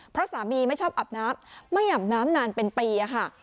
เพราะสามีไม่ชอบอาบน้ำไม่อาบน้ำนานเป็นปีค่ะ